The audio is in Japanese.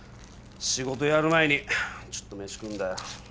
仕事やる前にちょっと飯食うんだよ。